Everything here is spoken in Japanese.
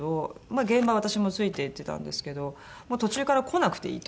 現場私もついていってたんですけどもう途中から来なくていいと。